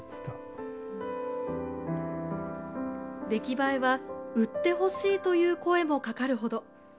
出来栄えは「売ってほしい」という声もかかるほど。